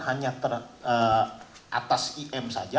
hanya atas im saja